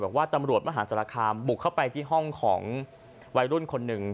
ตำรวจมหาศาลคามบุกเข้าไปที่ห้องของวัยรุ่นคนหนึ่ง